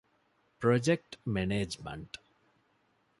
ޕްރޮޖެކްޓް މެނޭޖްމަންޓް